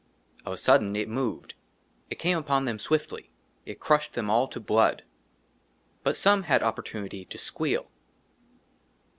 OF A SUDDEN, IT MOVED I IT CAME UPON THEM SWIFTLY ; IT CRUSHED THEM ALL TO BLOOD. BUT SOME HAD OPPORTUNITY TO SQUEAL.